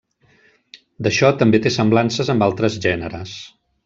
D'això també té semblances amb altres gèneres.